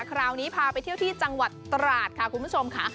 คราวนี้พาไปเที่ยวที่จังหวัดตราดค่ะคุณผู้ชมค่ะ